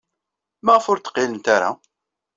Maɣef ur d-qqilent ara?